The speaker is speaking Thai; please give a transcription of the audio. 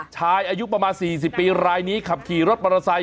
ชายอายุประมาณ๔๐ปีรายนี้ขับขี่รถมอเตอร์ไซค